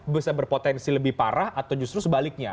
bisa berpotensi lebih parah atau justru sebaliknya